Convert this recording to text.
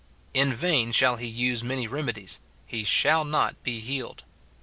In vain shall he use many remedies ; he shall not be healed.